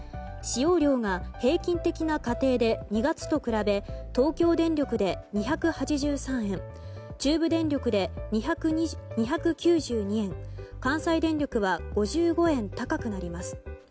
使用量が平均的な家庭で２月と比べ東京電力で２８３円中部電力で２９２円関西電力は５５円高くなります。